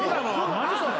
何それ。